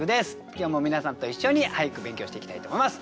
今日も皆さんと一緒に俳句勉強していきたいと思います。